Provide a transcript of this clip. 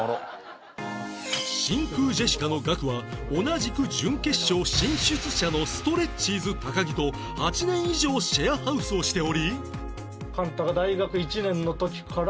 真空ジェシカのガクは同じく準決勝進出者のストレッチーズ高木と８年以上シェアハウスをしており